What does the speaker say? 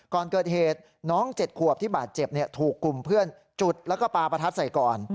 ก่อนเกิดเหตุน้อง๗ขวบที่บาดเจ็บถูกกลุ่มเพื่อนจุดแล้วก็ปลาประทัดใส่ก่อน